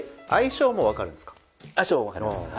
相性も分かります。